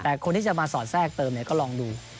แต่คนที่จะมาสอดแทรกเติมก็ลองดู